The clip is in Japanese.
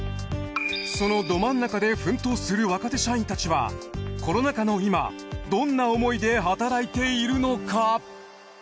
そのど真ん中で奮闘する若手社員たちはコロナ禍の今どんな思いで働いているのか？